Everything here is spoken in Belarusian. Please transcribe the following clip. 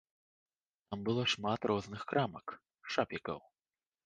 Там было шмат розных крамак, шапікаў.